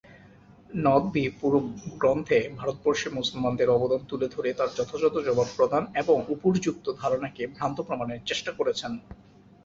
নদভী পুরো গ্রন্থে ভারতবর্ষে মুসলমানদের অবদান তুলে ধরে তার যথাযথ জবাব প্রদান এবং উপর্যুক্ত ধারণাকে ভ্রান্ত প্রমাণের চেষ্টা করেছেন।